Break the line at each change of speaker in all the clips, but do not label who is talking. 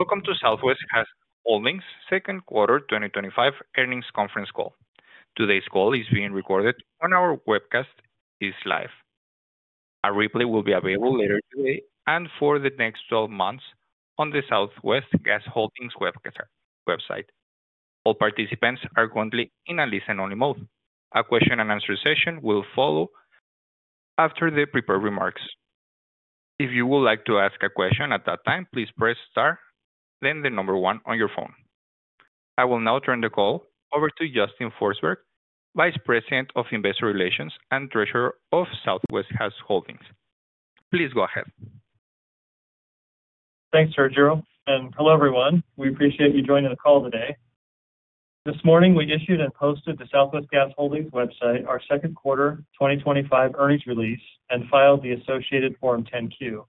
Welcome to Southwest Gas Holdings' Second Quarter 2025 Earnings Conference Call. Today's call is being recorded, and our webcast is live. A replay will be available later today and for the next 12 months on the Southwest Gas Holdings website. All participants are currently in a listen-only mode. A question-and-answer session will follow after the prepared remarks. If you would like to ask a question at that time, please press Star, then the number one on your phone. I will now turn the call over to Justin Forsberg, Vice President of Investor Relations and Treasurer of Southwest Gas Holdings. Please go ahead.
Thanks, Sergio, and hello everyone. We appreciate you joining the call today. This morning, we issued and posted to Southwest Gas Holdings' website our second quarter 2025 earnings release and filed the associated Form 10-Q.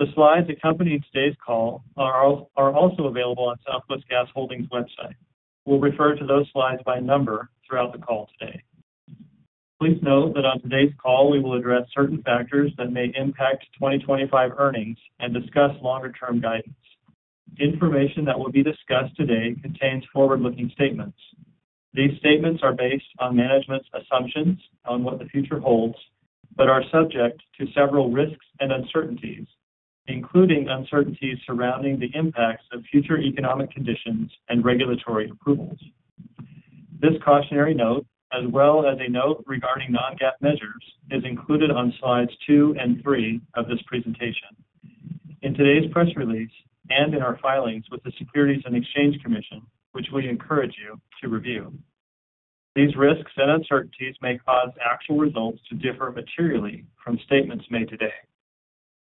The slides accompanying today's call are also available on Southwest Gas Holdings' website. We'll refer to those slides by number throughout the call today. Please note that on today's call, we will address certain factors that may impact 2025 earnings and discuss longer-term guidance. The information that will be discussed today contains forward-looking statements. These statements are based on management's assumptions on what the future holds, but are subject to several risks and uncertainties, including uncertainties surrounding the impacts of future economic conditions and regulatory approvals. This cautionary note, as well as a note regarding non-GAAP measures, is included on slides two and three of this presentation. In today's press release and in our filings with the Securities and Exchange Commission, which we encourage you to review, these risks and uncertainties may cause actual results to differ materially from statements made today.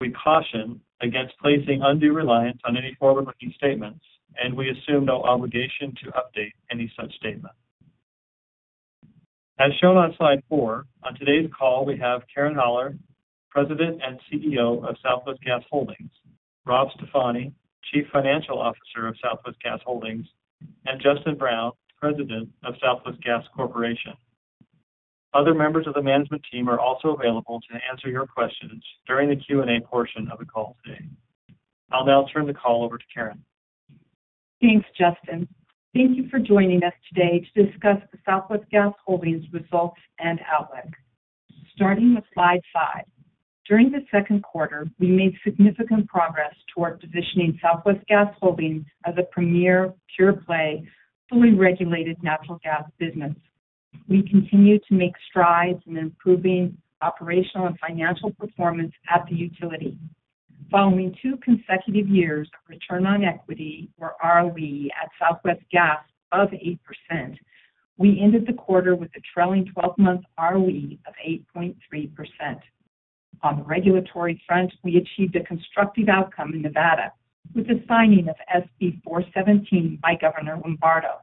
We caution against placing undue reliance on any forward-looking statements, and we assume no obligation to update any such statement. As shown on slide four, on today's call, we have Karen Haller, President and CEO of Southwest Gas Holdings; Rob Stefani, Chief Financial Officer of Southwest Gas Holdings; and Justin Brown, President of Southwest Gas Corporation. Other members of the management team are also available to answer your questions during the Q&A portion of the call today. I'll now turn the call over to Karen.
Thanks, Justin. Thank you for joining us today to discuss Southwest Gas Holdings' results and outlook. Starting with slide five, during the second quarter, we made significant progress toward positioning Southwest Gas Holdings as a premier, pure-play, fully regulated natural gas business. We continue to make strides in improving operational and financial performance at the utility. Following two consecutive years of return on equity or ROE at Southwest Gas above 8%, we ended the quarter with a trailing 12-month ROE of 8.3%. On the regulatory front, we achieved a constructive outcome in Nevada with the signing of SB 417 by Governor Lombardo.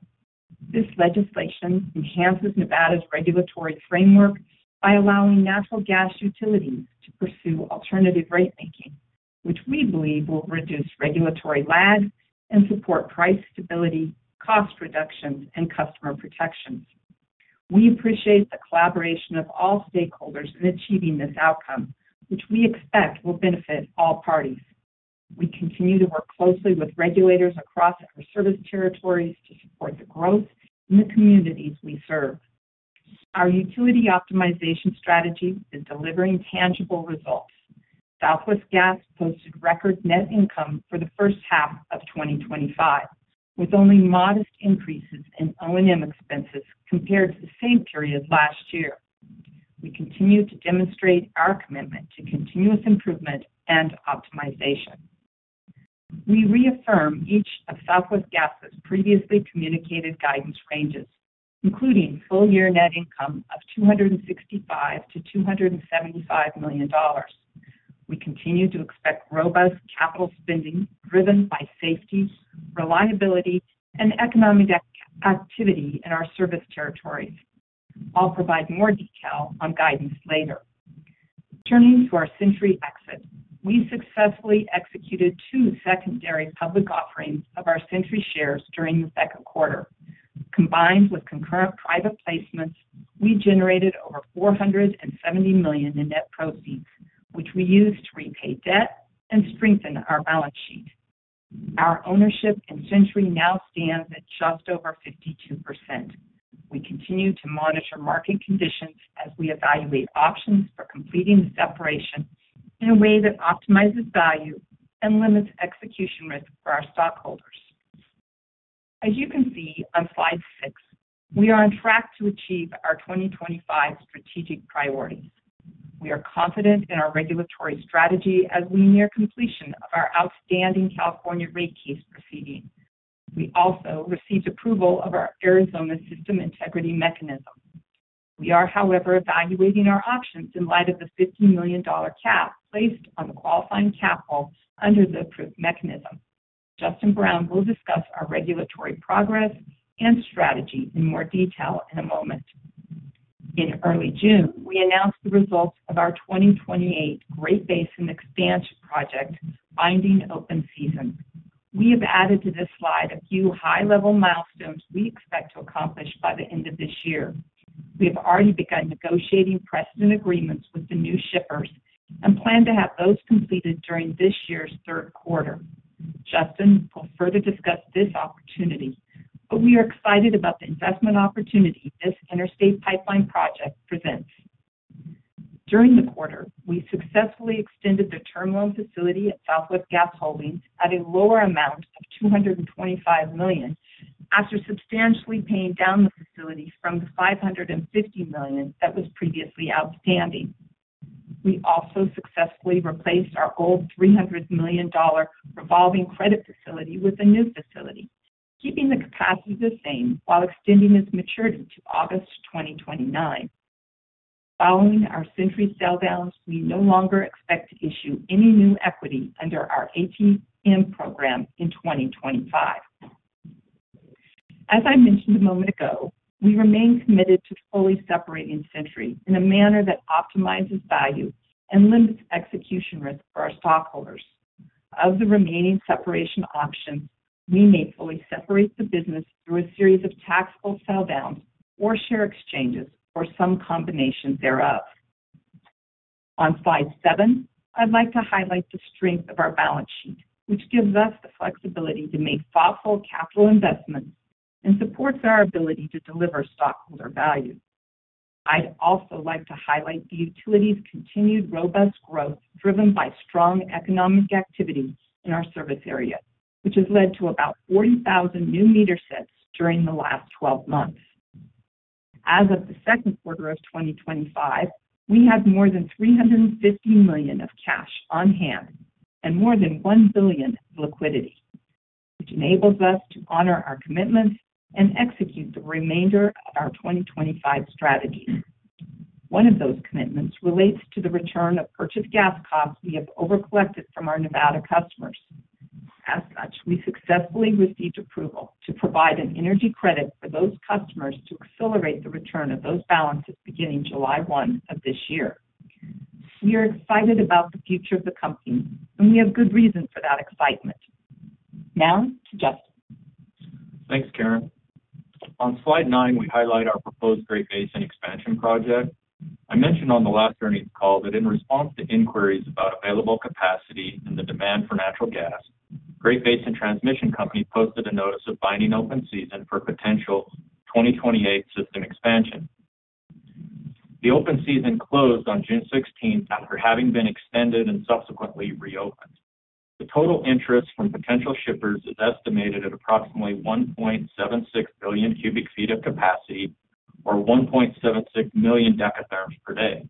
This legislation enhances Nevada's regulatory framework by allowing natural gas utilities to pursue alternative rate-making mechanisms, which we believe will reduce regulatory lag and support price stability, cost reduction, and customer protections. We appreciate the collaboration of all stakeholders in achieving this outcome, which we expect will benefit all parties. We continue to work closely with regulators across our service territories to support the growth in the communities we serve. Our utility optimization strategy is delivering tangible results. Southwest Gas posted record net income for the first half of 2025, with only modest increases in O&M expenses compared to the same period last year. We continue to demonstrate our commitment to continuous improvement and optimization. We reaffirm each of Southwest Gas' previously communicated guidance ranges, including full-year net income of $265 million-$275 million. We continue to expect robust capital spending driven by safety, reliability, and economic activity in our service territories. I'll provide more detail on guidance later. Turning to our Centuri exit, we successfully executed two secondary public offerings of our Centuri shares during the second quarter. Combined with concurrent private placements, we generated over $470 million in net proceeds, which we used to repay debt and strengthen our balance sheet. Our ownership in Centuri now stands at just over 52%. We continue to monitor market conditions as we evaluate options for completing this operation in a way that optimizes value and limits execution risk for our stockholders. As you can see on slide six, we are on track to achieve our 2025 strategic priorities. We are confident in our regulatory strategy as we near completion of our outstanding California rate case proceedings. We also received approval of our Arizona system integrity mechanism. We are, however, evaluating our options in light of the $50 million cap placed on the qualifying capital under the approved mechanism. Justin Brown will discuss our regulatory progress and strategy in more detail in a moment. In early June, we announced the results of our 2028 Great Basin Expansion Project binding open season. We have added to this slide a few high-level milestones we expect to accomplish by the end of this year. We have already begun negotiating precedent agreements with the new shippers and plan to have those completed during this year's third quarter. Justin will further discuss this opportunity, but we are excited about the investment opportunity this interstate pipeline project presents. During the quarter, we successfully extended the term loan facility at Southwest Gas Holdings at a lower amount of $225 million after substantially paying down the facilities from the $550 million that was previously outstanding. We also successfully replaced our old $300 million revolving credit facility with a new facility, keeping the capacity the same while extending its maturity to August 2029. Following our Centuri sale downs, we no longer expect to issue any new equity under our 18N program in 2025. As I mentioned a moment ago, we remain committed to fully separating Centuri in a manner that optimizes value and limits execution risk for our stockholders. Of the remaining separation options, we may fully separate the business through a series of taxable sell-bound or share exchanges or some combination thereof. On slide seven, I'd like to highlight the strength of our balance sheet, which gives us the flexibility to make thoughtful capital investments and supports our ability to deliver stockholder value. I'd also like to highlight the utility's continued robust growth driven by strong economic activity in our service area, which has led to about 40,000 new meter sets during the last 12 months. As of the second quarter of 2025, we have more than $350 million of cash on hand and more than $1 billion in liquidity, which enables us to honor our commitments and execute the remainder of our 2025 strategy. One of those commitments relates to the return of purchase gas costs we have overcollected from our Nevada customers. As such, we successfully received approval to provide an energy credit for those customers to accelerate the return of those balances beginning July 1 of this year. We are excited about the future of the company, and we have good reason for that excitement. Now to Justin.
Thanks, Karen. On slide nine, we highlight our proposed Great Basin Expansion Project. I mentioned on the last earnings call that in response to inquiries about available capacity and the demand for natural gas, Great Basin Transmission Company posted a notice of binding open season for potential 2028 system expansion. The open season closed on June 16 after having been extended and subsequently reopened. The total interest from potential shippers is estimated at approximately 1.76 billion cu ft of capacity, or 1.76 million dekatherms per day.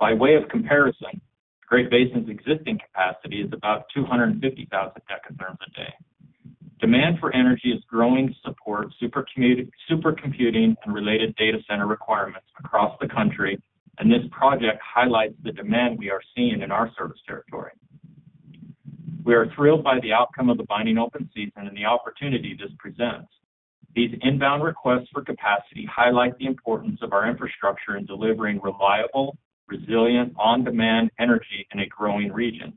By way of comparison, Great Basin's existing capacity is about 250,000 dekatherms a day. Demand for energy is growing to support supercomputing and related data center requirements across the country, and this project highlights the demand we are seeing in our service territory. We are thrilled by the outcome of the binding open season and the opportunity this presents. These inbound requests for capacity highlight the importance of our infrastructure in delivering reliable, resilient, on-demand energy in a growing region.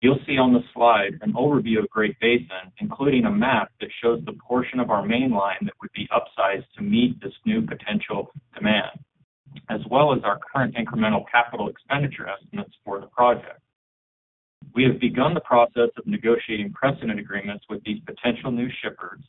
You'll see on the slide an overview of Great Basin, including a map that shows the portion of our main line that would be upsized to meet this new potential demand, as well as our current incremental capital expenditure estimates for the project. We have begun the process of negotiating precedent agreements with these potential new shippers,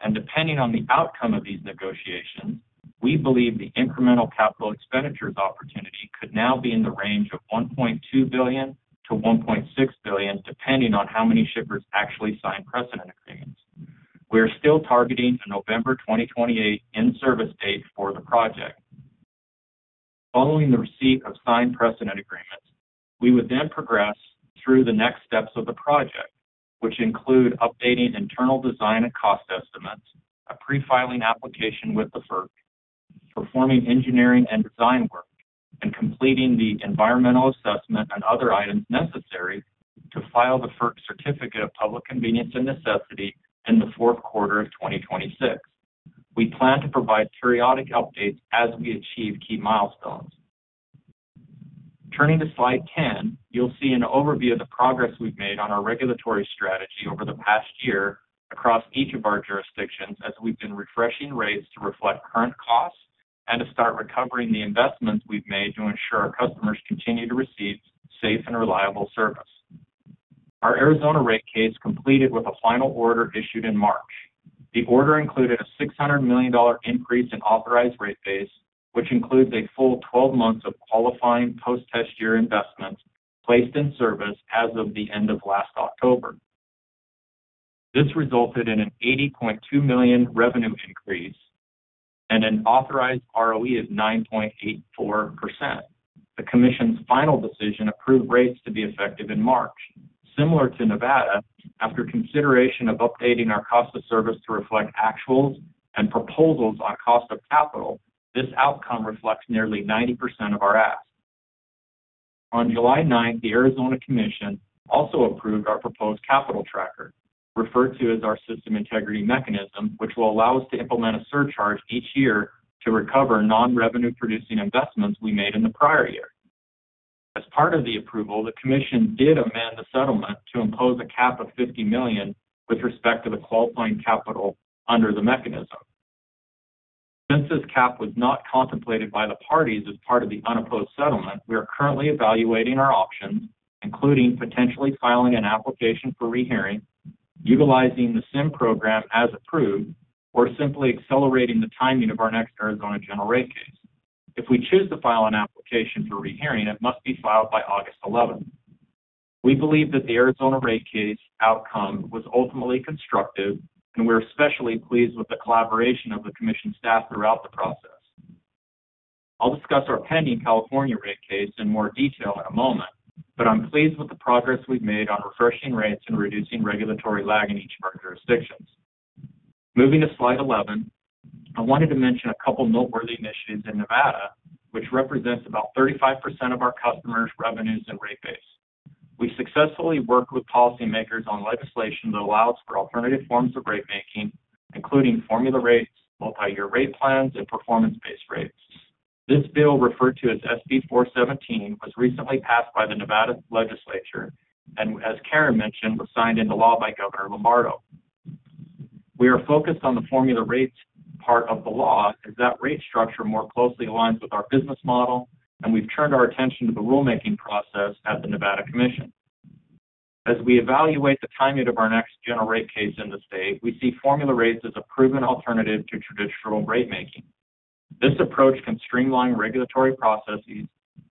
and depending on the outcome of these negotiations, we believe the incremental capital expenditure of the opportunity could now be in the range of $1.2 billion-$1.6 billion, depending on how many shippers actually sign precedent agreements. We are still targeting a November 2028 in-service date for the project. Following the receipt of signed precedent agreements, we would then progress through the next steps of the project, which include updating internal design and cost estimates, a pre-filing application with the FERC, performing engineering and design work, and completing the environmental assessment and other items necessary to file the FERC Certificate of Public Convenience and Necessity in the fourth quarter of 2026. We plan to provide periodic updates as we achieve key milestones. Turning to slide ten, you'll see an overview of the progress we've made on our regulatory strategy over the past year across each of our jurisdictions as we've been refreshing rates to reflect current costs and to start recovering the investments we've made to ensure customers continue to receive safe and reliable service. Our Arizona rate case completed with a final order issued in March. The order included a $600 million increase in authorized rate base, which includes a full 12 months of qualifying post-test year investments placed in service as of the end of last October. This resulted in an $80.2 million revenue increase and an authorized ROE of 9.84%. The Commission's final decision approved rates to be effective in March. Similar to Nevada, after consideration of updating our cost of service to reflect actuals and proposals on cost of capital, this outcome reflects nearly 90% of our ask. On July 9th, the Arizona Commission also approved our proposed capital tracker, referred to as our system integrity mechanism, which will allow us to implement a surcharge each year to recover non-revenue-producing investments we made in the prior year. As part of the approval, the Commission did amend the settlement to impose a cap of $50 million with respect to the qualifying capital under the mechanism. Since this cap was not contemplated by the parties as part of the unopposed settlement, we are currently evaluating our options, including potentially filing an application for rehearing, utilizing the SIM program as approved, or simply accelerating the timing of our next Arizona general rate case. If we choose to file an application for rehearing, it must be filed by August 11th. We believe that the Arizona rate case outcome was ultimately constructive, and we're especially pleased with the collaboration of the Commission staff throughout the process. I'll discuss our pending California rate case in more detail in a moment, but I'm pleased with the progress we've made on refreshing rates and reducing regulatory lag in each of our jurisdictions. Moving to slide eleven, I wanted to mention a couple of noteworthy initiatives in Nevada, which represent about 35% of our customers' revenues and rate base. We've successfully worked with policymakers on legislation that allows for alternative forms of rate making, including formula rates, multi-year rate plans, and performance-based rates. This bill, referred to as SB 417, was recently passed by the Nevada legislature, and as Karen mentioned, was signed into law by Governor Lombardo. We are focused on the formula rate part of the law, as that rate structure more closely aligns with our business model, and we've turned our attention to the rulemaking process at the Nevada Commission. As we evaluate the timing of our next general rate case in the state, we see formula rates as a proven alternative to traditional rate making. This approach can streamline regulatory processes,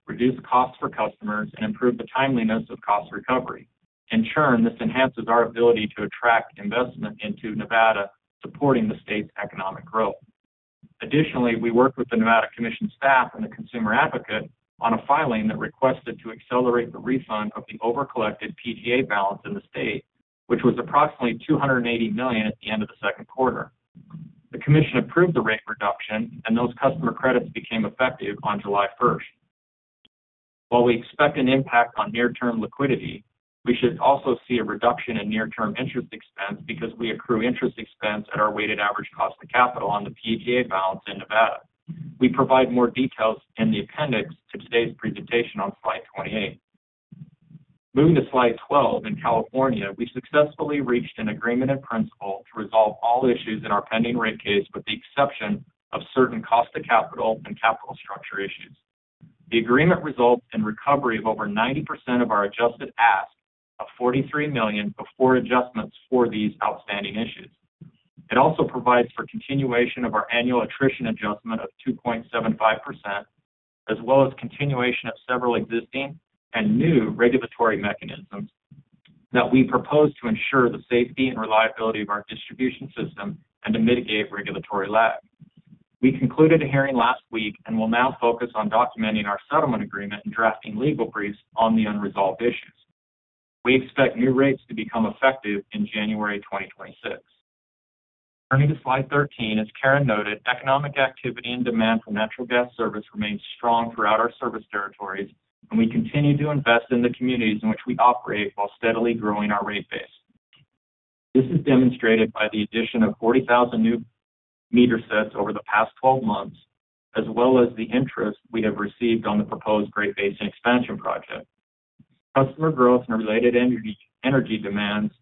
reduce costs for customers, and improve the timeliness of cost recovery. In turn, this enhances our ability to attract investment into Nevada, supporting the state's economic growth. Additionally, we worked with the Nevada Commission staff and the consumer advocate on a filing that requested to accelerate the refund of the overcollected PGA balance in the state, which was approximately $280 million at the end of the second quarter. The Commission approved the rate reduction, and those customer credits became effective on July 1st. While we expect an impact on near-term liquidity, we should also see a reduction in near-term interest expense because we accrue interest expense at our weighted average cost of capital on the PGA balance in Nevada. We provide more details in the appendix to today's presentation on slide 28. Moving to slide 12, in California, we successfully reached an agreement in principle to resolve all issues in our pending rate case, with the exception of certain cost of capital and capital structure issues. The agreement results in recovery of over 90% of our adjusted ask of $43 million before adjustments for these outstanding issues. It also provides for continuation of our annual attrition adjustment of 2.75%, as well as continuation of several existing and new regulatory mechanisms that we propose to ensure the safety and reliability of our distribution system and to mitigate regulatory lag. We concluded a hearing last week and will now focus on documenting our settlement agreement and drafting legal briefs on the unresolved issues. We expect new rates to become effective in January 2026. Turning to slide 13, as Karen noted, economic activity and demand for natural gas service remain strong throughout our service territories, and we continue to invest in the communities in which we operate while steadily growing our rate base. This is demonstrated by the addition of 40,000 new meter sets over the past 12 months, as well as the interest we have received on the proposed Great Basin Expansion Project. Customer growth and related energy demands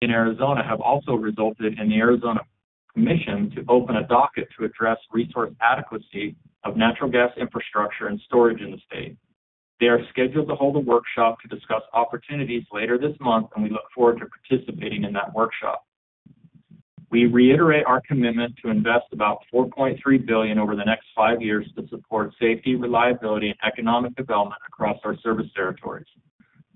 in Arizona have also resulted in the Arizona Commission to open a docket to address resource adequacy of natural gas infrastructure and storage in the state. They are scheduled to hold a workshop to discuss opportunities later this month, and we look forward to participating in that workshop. We reiterate our commitment to invest about $4.3 billion over the next five years to support safety, reliability, and economic development across our service territories.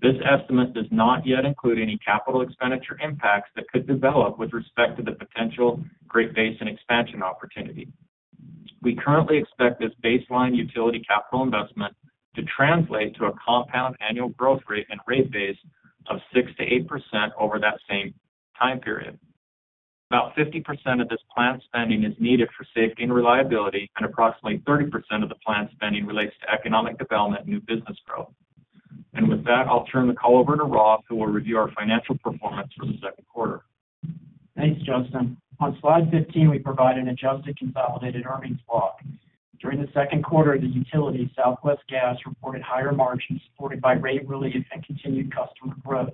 This estimate does not yet include any capital expenditure impacts that could develop with respect to the potential Great Basin Expansion Opportunity. We currently expect this baseline utility capital investment to translate to a compound annual growth rate and rate base of 6%8% over that same time period. About 50% of this planned spending is needed for safety and reliability, and approximately 30% of the planned spending relates to economic development and new business growth. With that, I'll turn the call over to Rob, who will review our financial performance from the second quarter.
Thanks, Justin. On slide 15, we provide an adjusted consolidated earnings log. During the second quarter, the utility Southwest Gas reported higher margins supported by rate relief and continued customer growth.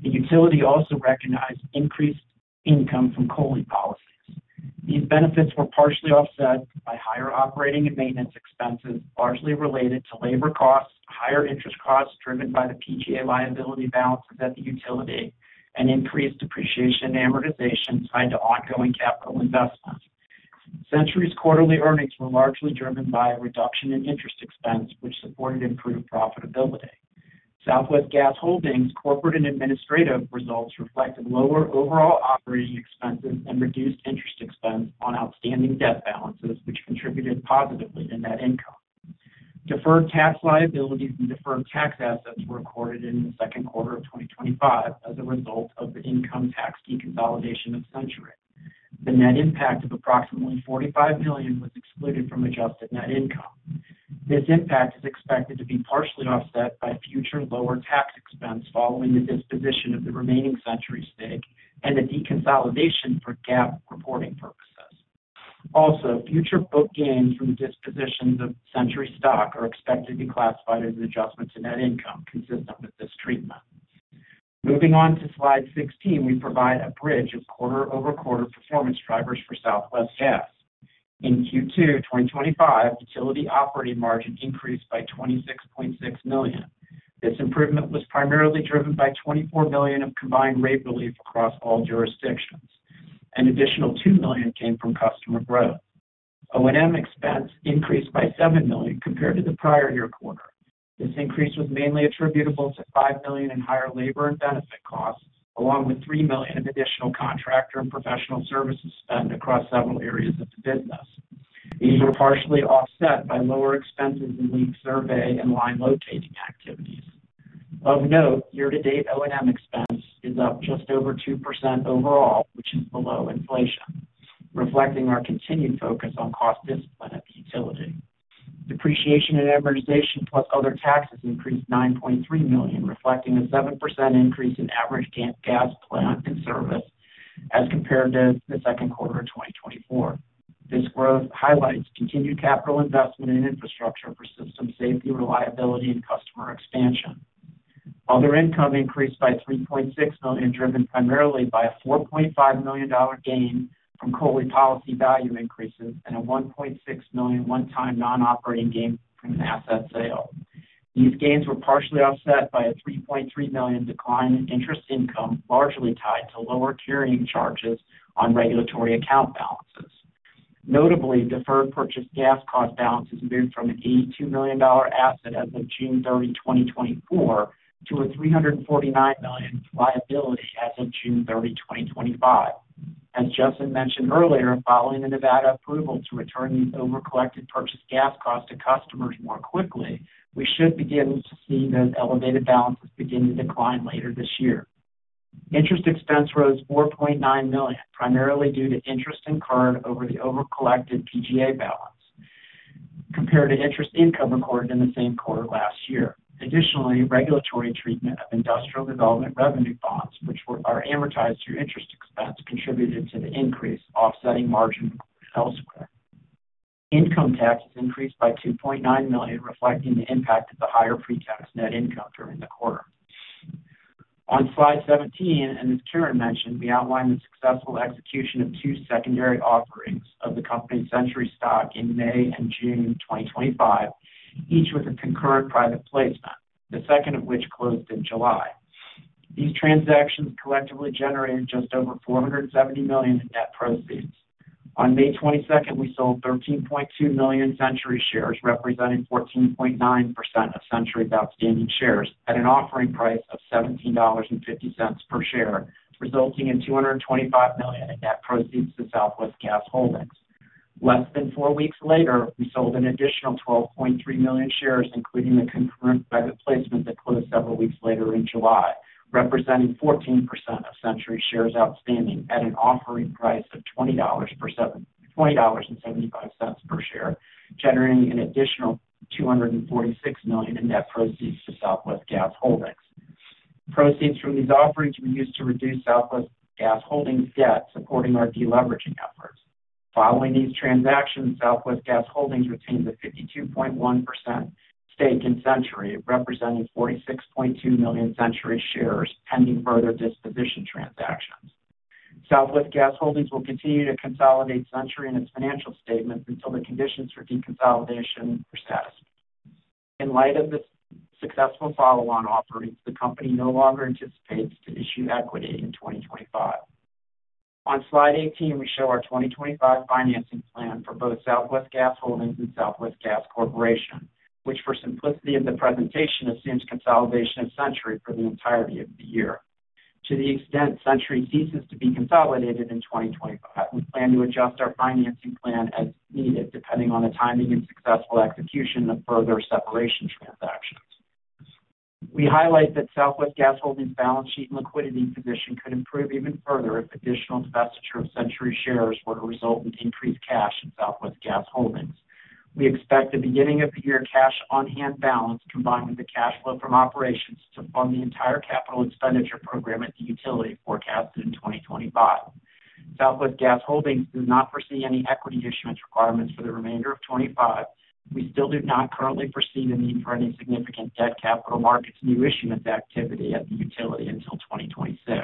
The utility also recognized increased income from COLI policies. These benefits were partially offset by higher operating and maintenance expenses, largely related to labor costs, higher interest costs driven by the PGA liability balance at the utility, and increased depreciation and amortization tied to ongoing capital investments. Centuri's quarterly earnings were largely driven by a reduction in interest expense, which supported improved profitability. Southwest Gas Holdings' corporate and administrative results reflected lower overall operating expenses and reduced interest expense on outstanding debt balances, which contributed positively to net income. Deferred tax liabilities and deferred tax assets were recorded in the second quarter of 2025 as a result of the income tax de-consolidation of Centuri. The net impact of approximately $45 million was excluded from adjusted net income. This impact is expected to be partially offset by future lower tax expense following the disposition of the remaining Centuri stake and the de-consolidation for GAAP reporting purposes. Also, future book gains from the disposition of Centuri stock are expected to be classified as adjustment to net income, consistent with this treatment. Moving on to slide 16, we provide a bridge of quarter-over-quarter performance drivers for Southwest Gas. In Q2 2025, utility operating margin increased by $26.6 million. This improvement was primarily driven by $24 million of combined rate relief across all jurisdictions. An additional $2 million came from customer growth. O&M expense increased by $7 million compared to the prior year quarter. This increase was mainly attributable to $5 million in higher labor and benefit costs, along with $3 million in additional contractor and professional services spend across several areas of the business. These were partially offset by lower expenses in leak survey and line locating activities. Of note, year-to-date O&M expense is up just over 2% overall, which is below inflation, reflecting our continued focus on cost of utility. Depreciation and amortization plus other taxes increased $9.3 million, reflecting a 7% increase in average gas plant in service as compared to the second quarter of 2024. This growth highlights continued capital investment in infrastructure for system safety, reliability, and customer expansion. Other income increased by $3.6 million, driven primarily by a $4.5 million gain from COLI policy value increases and a $1.6 million one-time non-operating gain from an asset sale. These gains were partially offset by a $3.3 million decline in interest income, largely tied to lower carrying charges on regulatory account balances. Notably, deferred purchased gas cost balances moved from an $82 million asset as of June 30, 2024, to a $349 million liability as of June 30, 2025. As Justin mentioned earlier, following the Nevada approval to return these overcollected purchased gas costs to customers more quickly, we should begin seeing those elevated balances begin to decline later this year. Interest expense rose $4.9 million, primarily due to interest incurred over the overcollected PGA balance compared to interest income recorded in the same quarter last year. Additionally, regulatory treatment of industrial development revenue bonds, which are amortized through interest expense, contributed to the increase, offsetting margins elsewhere. Income tax increased by $2.9 million, reflecting the impact of the higher pre-tax net income during the quarter. On slide 17, and as Karen mentioned, we outline the successful execution of two secondary offerings of the company's Centuri stock in May and June 2025, each with a concurrent private placement, the second of which closed in July. These transactions collectively generated just over $470 million in net proceeds. On May 22, we sold 13.2 million Centuri shares, representing 14.9% of Centuri's outstanding shares, at an offering price of $17.50 per share, resulting in $225 million in net proceeds to Southwest Gas Holdings. Less than four weeks later, we sold an additional 12.3 million shares, including the concurrent private placement that closed several weeks later in July, representing 14% of Centuri shares outstanding at an offering price of $20.75 per share, generating an additional $246 million in net proceeds for Southwest Gas Holdings. Proceeds from these offerings were used to reduce Southwest Gas Holdings' debt, supporting our deleveraging efforts. Following these transactions, Southwest Gas Holdings retained the 52.1% stake in Centuri, representing 46.2 million Centuri shares, pending further disposition transactions. Southwest Gas Holdings will continue to consolidate Centuri in its financial statements until the conditions for de-consolidation are satisfied. In light of this successful follow-on offering, the company no longer anticipates to issue equity in 2025. On slide 18, we show our 2025 financing plan for both Southwest Gas Holdings and Southwest Gas Corporation, which for simplicity in the presentation assumes consolidation of Centuri for the entirety of the year. To the extent Centuri ceases to be consolidated in 2025, we plan to adjust our financing plan as needed, depending on the timing and successful execution of further separation transactions. We highlight that Southwest Gas Holdings' balance sheet liquidity position could improve even further if additional divestiture of Centuri shares were to result in increased cash in Southwest Gas Holdings. We expect the beginning of the year cash on-hand balance, combined with the cash flow from operations, to fund the entire capital expenditure program at the utility forecasted in 2025. Southwest Gas Holdings does not foresee any equity issuance requirements for the remainder of 2025. We still do not currently foresee the need for any significant debt capital launched as new issuance activity at the utility until 2026.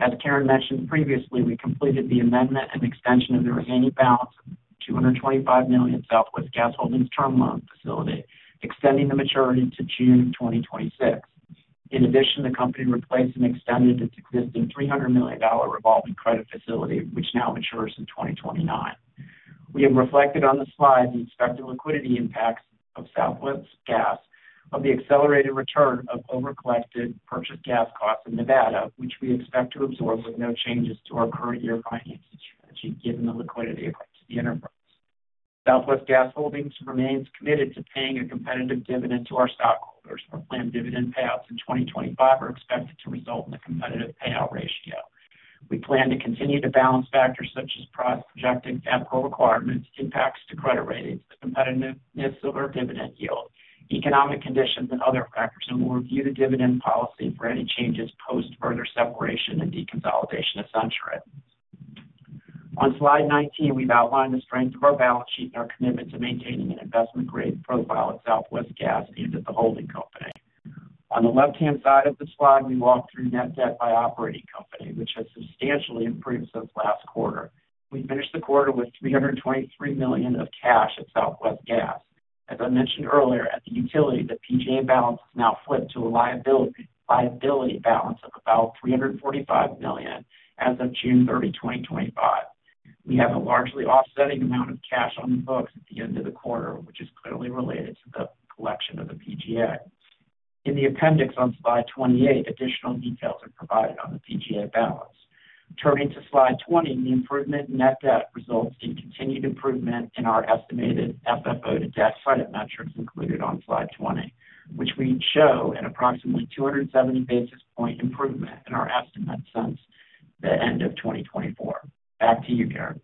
As Karen mentioned previously, we completed the amendment and extension of the remaining balance of $225 million Southwest Gas Holdings' term loan facility, extending the maturity to June 2026. In addition, the company replaced and extended its existing $300 million revolving credit facility, which now matures in 2029. We have reflected on the slide the expected liquidity impacts of Southwest Gas on the accelerated return of overcollected purchased gas costs from Nevada, which we expect to absorb with no changes to our current year financing strategy, given the liquidity effects of the interest. Southwest Gas Holdings remains committed to paying a competitive dividend to our stockholders. Our planned dividend payouts in 2025 are expected to result in a competitive payout ratio. We plan to continue to balance factors such as projected capital requirements, impacts to credit ratings, competitiveness of our dividend yield, economic conditions, and other factors, and we'll review the dividend policy for any changes post further separation and de-consolidation of Centuri. On slide 19, we outline the strength of our balance sheet and our commitment to maintaining an investment-grade profile at Southwest Gas Holdings and at the holding company. On the left-hand side of the slide, we walk through net debt by operating company, which has substantially improved since last quarter. We finished the quarter with $323 million of cash at Southwest Gas. As I mentioned earlier, at the utility, the PGA balance now flipped to a liability balance of about $345 million as of June 30, 2025. We have a largely offsetting amount of cash on the books at the end of the quarter, which is clearly related to the collection of the PGA. In the appendix on slide 28, additional details are provided on the PGA balance. Turning to slide 20, the improvement in net debt results in continued improvement in our estimated FFO to debt credit metrics included on slide 20, which we show an approximately 270 basis point improvement in our estimate since the end of 2024. Back to you, Karen.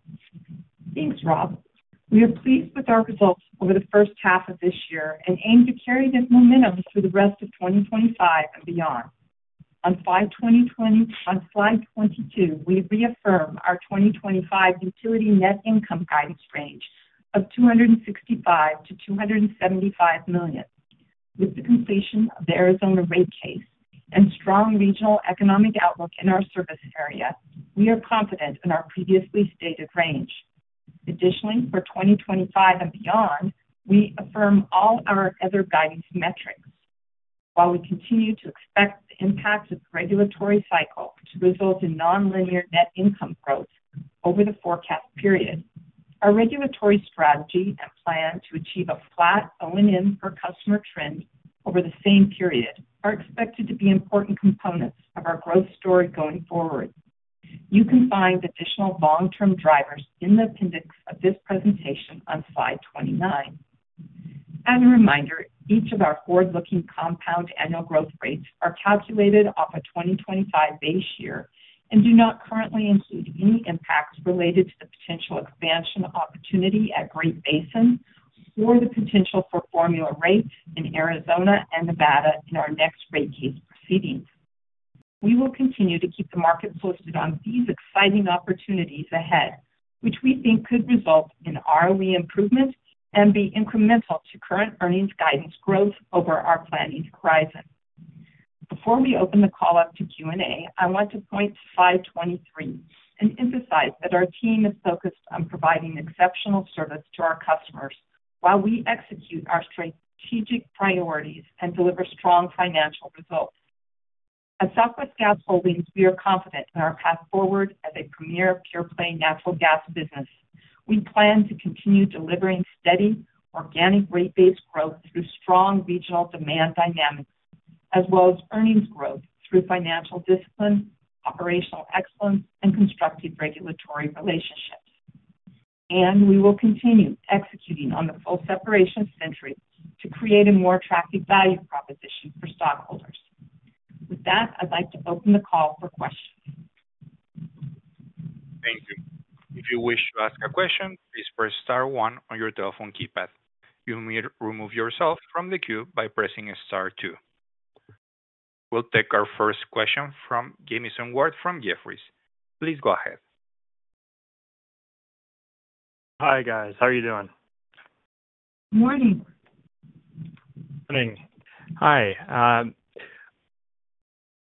Thanks, Rob. We are pleased with our results over the first half of this year and aim to carry this momentum through the rest of 2025 and beyond. On slide 22, we reaffirm our 2025 utility net income guidance range of $265 to $275 million. With the completion of the Arizona rate case and strong regional economic outlook in our service area, we are confident in our previously stated range. Additionally, for 2025 and beyond, we affirm all our other guidance metrics. While we continue to expect the impacts of the regulatory cycle to result in nonlinear net income growth over the forecast period, our regulatory strategy and plan to achieve a flat O&M per customer trend over the same period are expected to be important components of our growth story going forward. You can find additional long-term drivers in the appendix of this presentation on slide 29. As a reminder, each of our forward-looking compound annual growth rates are calculated off a 2025 base year and do not currently include any impacts related to the potential expansion opportunity at Great Basin or the potential for formula rates in Arizona and Nevada in our next rate case proceedings. We will continue to keep the market focused on these exciting opportunities ahead, which we think could result in ROE improvements and be incremental to current earnings guidance growth over our planning horizon. Before we open the call up to Q&A, I want to point to slide 23 and emphasize that our team is focused on providing exceptional service to our customers while we execute our strategic priorities and deliver strong financial results. At Southwest Gas Holdings, we are confident in our path forward as a premier pure-play natural gas business. We plan to continue delivering steady, organic rate-based growth through strong regional demand dynamics, as well as earnings growth through financial discipline, operational excellence, and constructive regulatory relationships. We will continue executing on the full separation of Centuri to create a more attractive value proposition for stockholders. With that, I'd like to open the call for questions.
Thank you. If you wish to ask a question, please press Star, one on your telephone keypad. You may remove yourself from the queue by pressing Star, two. We'll take our first question from Jamison Ward from Jefferies. Please go ahead.
Hi guys, how are you doing?
Morning.
Morning. Hi.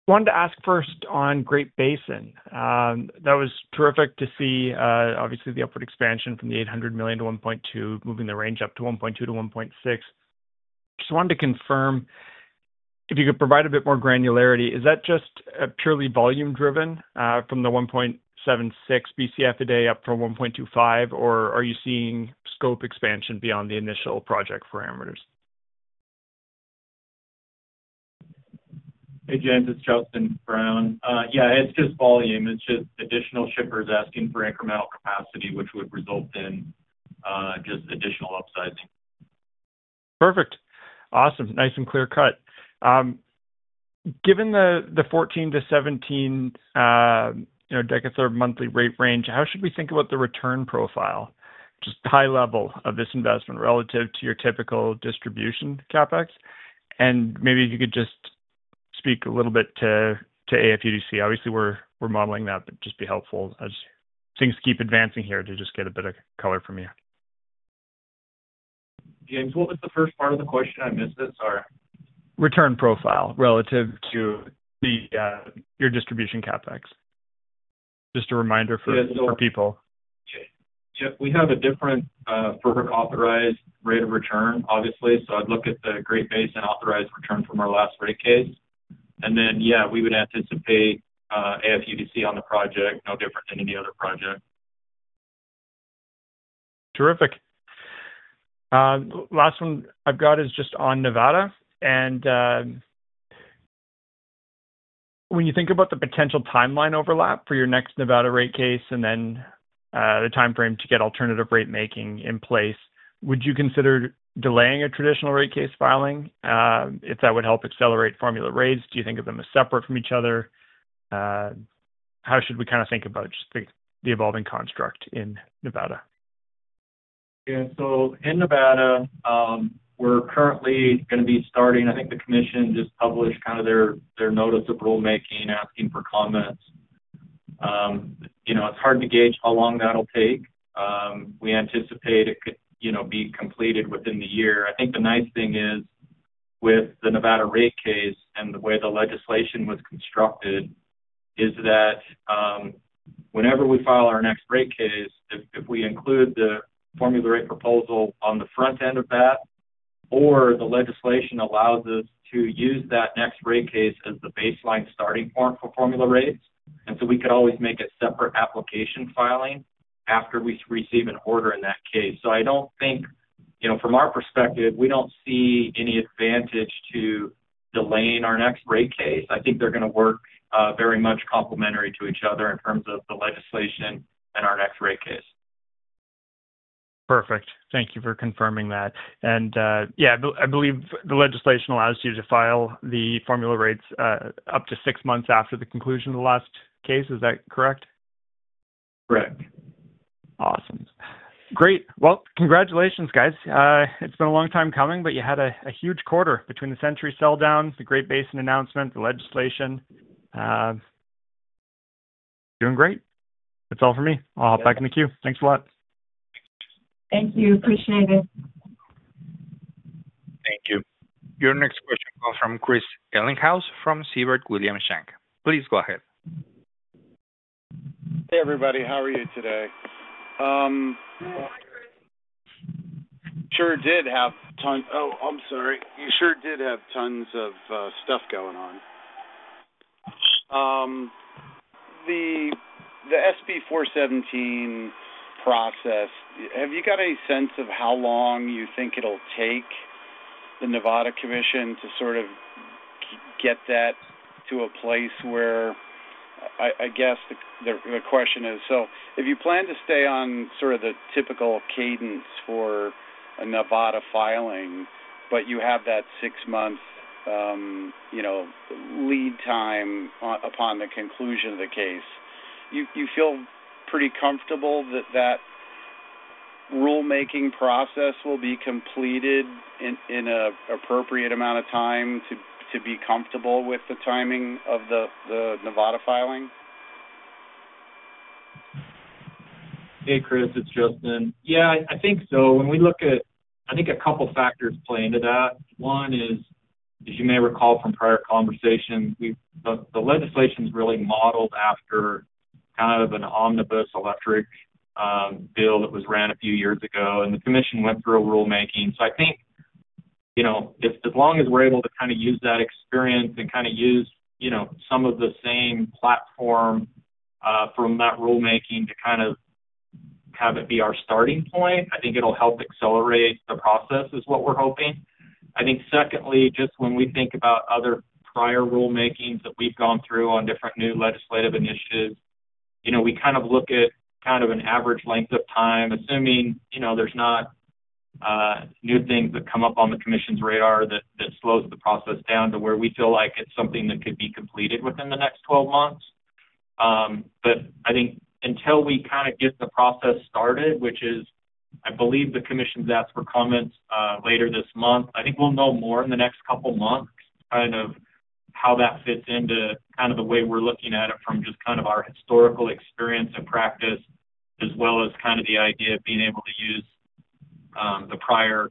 I wanted to ask first on Great Basin. That was terrific to see, obviously, the upward expansion from the $800 million-$1.2 billion, moving the range up to $1.2 billion-$1.6 billion. I just wanted to confirm if you could provide a bit more granularity. Is that just purely volume driven from the 1.76 BCF a day up from 1.25, or are you seeing scope expansion beyond the initial project parameters?
Hey James, it's Justin Brown. Yeah, it's just volume. It's just additional shippers asking for incremental capacity, which would result in just additional upsizing.
Perfect. Awesome. Nice and clear cut. Given the $14-$17 dekatherm monthly rate range, how should we think about the return profile, just high level, of this investment relative to your typical distribution CapEx? Maybe if you could just speak a little bit to AFUDC. Obviously, we're modeling that, but just be helpful as things keep advancing here to just get a bit of color from you.
James, what was the first part of the question? I missed it. Sorry.
Return profile relative to your distribution CapEx. Just a reminder for people.
Yeah, we have a different perfect authorized rate of return, obviously. I'd look at the Great Basin authorized return from our last rate case. Yeah, we would anticipate AFUDC on the project, no different than any other project.
Terrific. Last one I've got is just on Nevada. When you think about the potential timeline overlap for your next Nevada rate case and then the timeframe to get alternative rate-making in place, would you consider delaying a traditional rate case filing if that would help accelerate formula rates? Do you think of them as separate from each other? How should we kind of think about just the evolving construct in Nevada?
Yeah, so in Nevada, we're currently going to be starting, I think the Commission just published kind of their notice of rulemaking asking for comments. It's hard to gauge how long that'll take. We anticipate it could be completed within the year. I think the nice thing is with the Nevada rate case and the way the legislation was constructed is that whenever we file our next rate case, if we include the formula rate proposal on the front end of that, or the legislation allows us to use that next rate case as the baseline starting point for formula rates. We can always make a separate application filing after we receive an order in that case. I don't think, you know, from our perspective, we don't see any advantage to delaying our next rate case. I think they're going to work very much complementary to each other in terms of the legislation and our next rate case.
Perfect. Thank you for confirming that. I believe the legislation allows you to file the formula rates up to six months after the conclusion of the last case. Is that correct?
Correct.
Awesome. Great. Congratulations, guys. It's been a long time coming, but you had a huge quarter between the Centuri sell downs, the Great Basin Expansion Project announcement, the legislation. Doing great. That's all for me. I'll hop back in the queue. Thanks a lot.
Thank you. Appreciate it.
Thank you.
Your next question comes from Christ Ellinghaus from Siebert Williams Shank. Please go ahead.
Hey everybody, how are you today? You sure did have tons of stuff going on. The SB 417 process, have you got any sense of how long you think it'll take the Nevada Commission to sort of get that to a place where I guess the question is, if you plan to stay on sort of the typical cadence for a Nevada filing, but you have that six-month lead time upon the conclusion of the case, you feel pretty comfortable that that rulemaking process will be completed in an appropriate amount of time to be comfortable with the timing of the Nevada filing?
Hey Chris, it's Justin. Yeah, I think so. When we look at, I think a couple of factors play into that. One is, as you may recall from prior conversations, the legislation is really modeled after kind of an omnibus electric bill that was ran a few years ago, and the Commission went through a rulemaking. I think, as long as we're able to kind of use that experience and kind of use some of the same platform from that rulemaking to have it be our starting point, I think it'll help accelerate the process is what we're hoping. I think secondly, just when we think about other prior rulemakings that we've gone through on different new legislative initiatives, we kind of look at kind of an average length of time, assuming there's not new things that come up on the Commission's radar that slows the process down to where we feel like it's something that could be completed within the next 12 months. I think until we get the process started, which is, I believe the Commission's asked for comments later this month, I think we'll know more in the next couple of months how that fits into the way we're looking at it from just our historical experience and practice, as well as the idea of being able to use the prior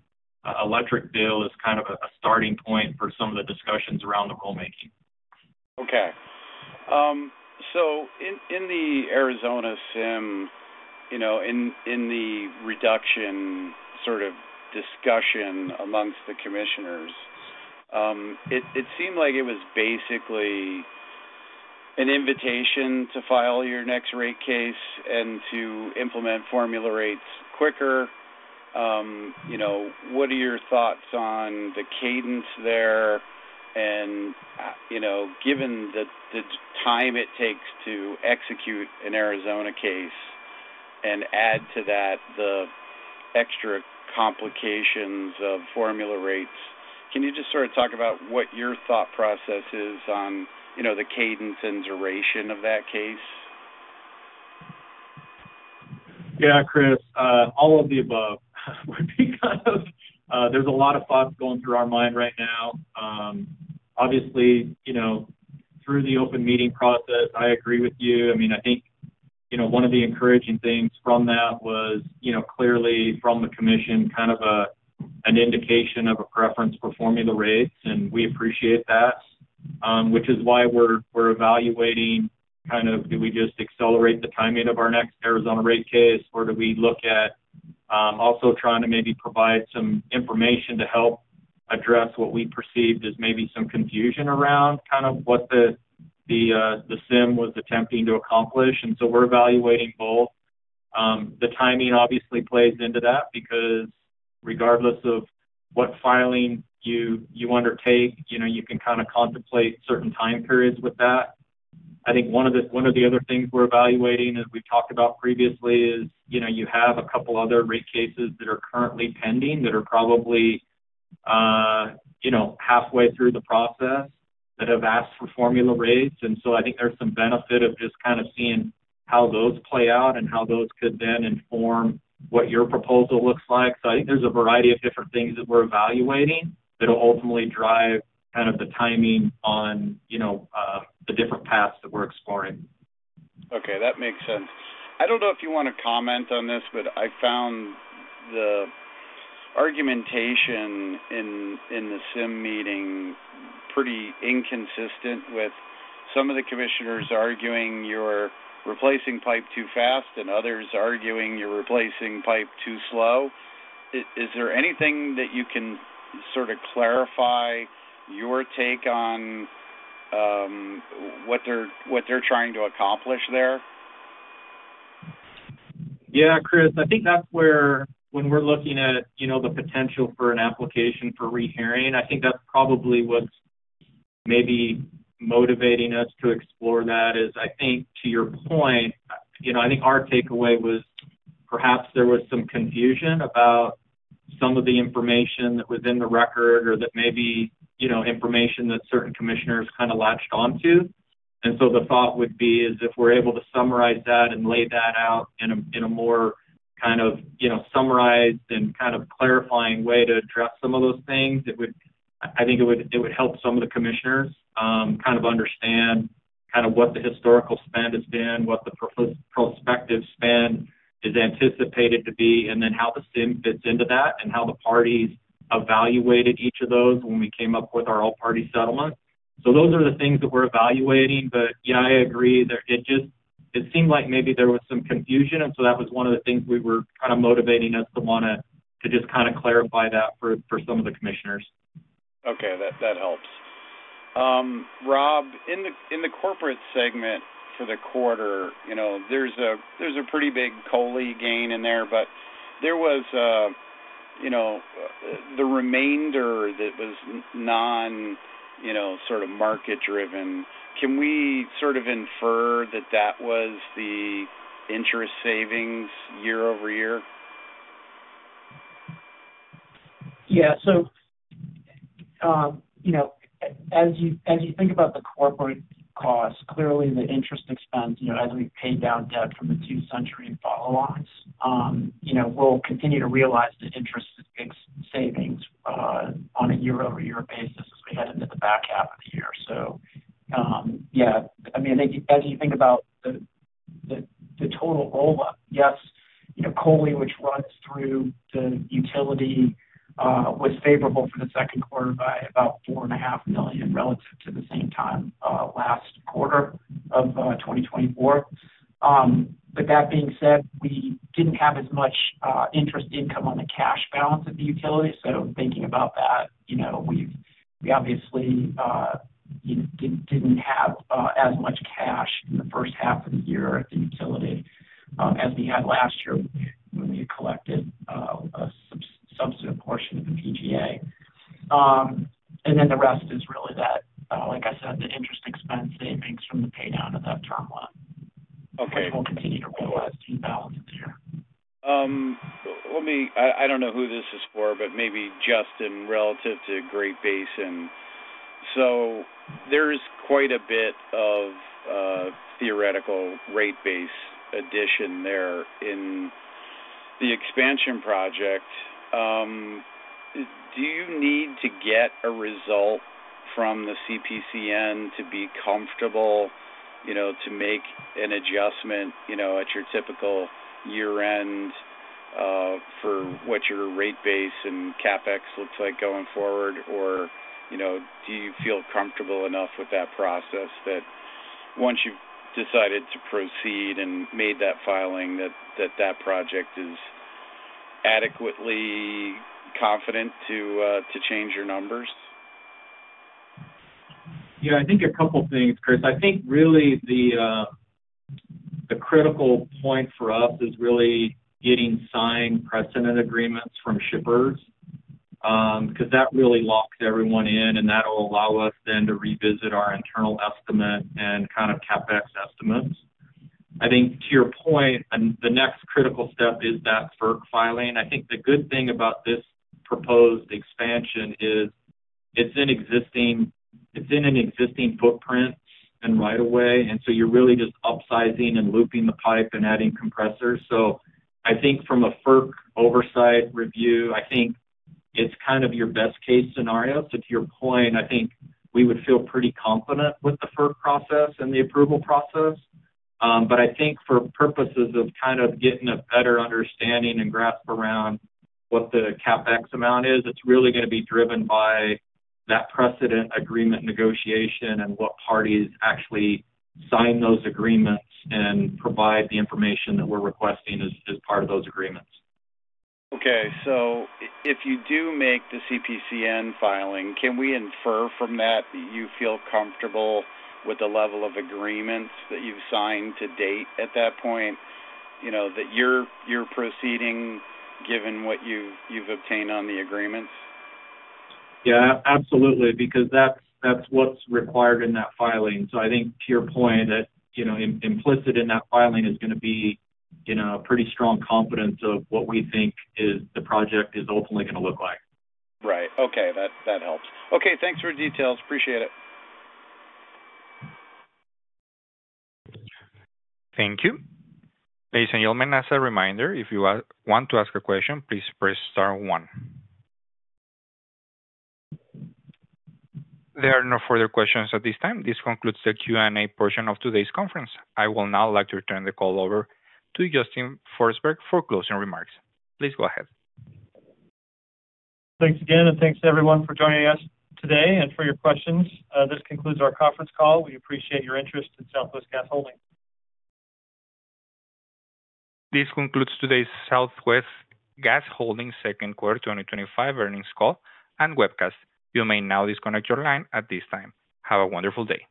electric bill as a starting point for some of the discussions around the rulemaking.
Okay. In the Arizona SIM, in the reduction sort of discussion amongst the commissioners, it seemed like it was basically an invitation to file your next rate case and to implement formula rates quicker. What are your thoughts on the cadence there? Given the time it takes to execute an Arizona case and add to that the extra complications of formula rates, can you just sort of talk about what your thought process is on the cadence and duration of that case?
Yeah, Chris, all of the above would be kind of, there's a lot of thoughts going through our mind right now. Obviously, you know, through the open meeting process, I agree with you. I mean, I think, you know, one of the encouraging things from that was, you know, clearly from the Commission, kind of an indication of a preference for formula rates, and we appreciate that, which is why we're evaluating kind of, do we just accelerate the timing of our next Arizona rate case, or do we look at also trying to maybe provide some information to help address what we perceived as maybe some confusion around kind of what the SIM was attempting to accomplish. We're evaluating both. The timing obviously plays into that because regardless of what filing you undertake, you know, you can kind of contemplate certain time periods with that. I think one of the other things we're evaluating, as we've talked about previously, is, you know, you have a couple other rate cases that are currently pending that are probably, you know, halfway through the process that have asked for formula rates. I think there's some benefit of just kind of seeing how those play out and how those could then inform what your proposal looks like. I think there's a variety of different things that we're evaluating that will ultimately drive kind of the timing on, you know, the different paths that we're exploring.
Okay, that makes sense. I don't know if you want to comment on this, but I found the argumentation in the SIM meeting pretty inconsistent with some of the commissioners arguing you're replacing pipe too fast and others arguing you're replacing pipe too slow. Is there anything that you can sort of clarify your take on what they're trying to accomplish there?
Yeah, Chris, I think that's where when we're looking at the potential for an application for rehearing, I think that's probably what's maybe motivating us to explore that. I think to your point, our takeaway was perhaps there was some confusion about some of the information within the record or that maybe information that certain commissioners kind of latched onto. The thought would be if we're able to summarize that and lay that out in a more summarized and clarifying way to address some of those things, I think it would help some of the commissioners understand what the historical spend has been, what the prospective spend is anticipated to be, and then how the SIM fits into that and how the parties evaluated each of those when we came up with our all-party settlement. Those are the things that we're evaluating. I agree that it just seemed like maybe there was some confusion. That was one of the things motivating us to want to clarify that for some of the commissioners.
Okay, that helps. Rob, in the corporate segment for the quarter, there's a pretty big COLI gain in there, but there was the remainder that was non, you know, sort of market-driven. Can we sort of infer that that was the interest savings year-over-year?
Yeah, as you think about the corporate costs, clearly in the interest expense, as we've paid down debt from the two Centuri follow-ons, we'll continue to realize the interest savings on a year-over-year basis as we head into the back half of the year. I think as you think about the total roll up, yes, COLI, which runs through the utility, was favorable for the second quarter by about $4.5 million relative to the same time last quarter of 2024. That being said, we didn't have as much interest income on the cash balance of the utility. In thinking about that, we obviously didn't have as much cash in the first half of the year at the utility as we had last year when we collected a substantive portion of the PGA. The rest is really that, like I said, the interest expense savings from the paydown of that term loan. We'll continue to realize these balances here.
I don't know who this is for, but maybe Justin relative to Great Basin. There's quite a bit of theoretical rate base addition there in the expansion project. Do you need to get a result from the CPCN to be comfortable to make an adjustment at your typical year-end for what your rate base and CapEx looks like going forward? Do you feel comfortable enough with that process that once you've decided to proceed and made that filing, that that project is adequately confident to change your numbers?
Yeah, I think a couple of things, Chris. I think really the critical point for us is really getting signed precedent agreements from shippers because that really locks everyone in, and that'll allow us then to revisit our internal estimate and kind of CapEx estimates. I think to your point, the next critical step is that FERC filing. The good thing about this proposed expansion is it's in an existing footprint and right of way, and you're really just upsizing and looping the pipe and adding compressors. I think from a FERC oversight review, it's kind of your best-case scenario. To your point, I think we would feel pretty confident with the FERC process and the approval process. For purposes of kind of getting a better understanding and grasp around what the CapEx amount is, it's really going to be driven by that precedent agreement negotiation and what parties actually sign those agreements and provide the information that we're requesting as part of those agreements.
Okay, if you do make the CPCN filing, can we infer from that that you feel comfortable with the level of agreements that you've signed to date at that point, that you're proceeding given what you've obtained on the agreements?
Yeah, absolutely, because that's what's required in that filing. I think to your point, implicit in that filing is going to be a pretty strong confidence of what we think the project is ultimately going to look like.
Right. Okay, that helps. Okay, thanks for the details. Appreciate it.
Thank you. As I said, reminder, if you want to ask a question, please press Star, one. There are no further questions at this time. This concludes the Q&A portion of today's conference. I will now like to turn the call over to Justin Forsberg for closing remarks. Please go ahead.
Thanks again, and thanks everyone for joining us today and for your questions. This concludes our conference call. We appreciate your interest in Southwest Gas Holdings.
This concludes today's Southwest Gas Holdings second quarter 2025 earnings call and webcast. You may now disconnect your line at this time. Have a wonderful day.